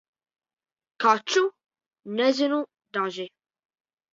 Kaķu? Nezinu - daži.